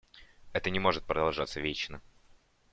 Это не может продолжаться вечно.